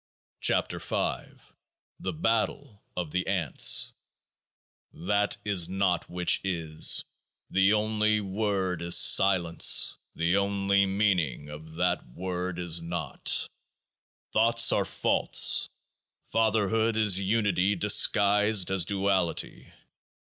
12 KEOAAH E THE BATTLE OF THE ANTS That is not which is. The only Word is Silence. The only Meaning of that Word is not. Thoughts are false. Fatherhood is unity disguised as duality.